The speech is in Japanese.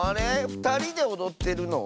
ふたりでおどってるの？